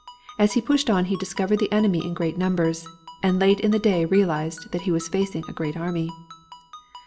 As he pushed on he discovered the enemy in great numbers, and late in the day realized that he was facing a great army.